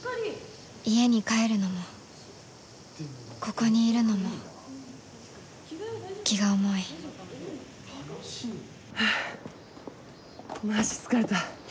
家に帰るのもここにいるのも気が重いハァマジ疲れた。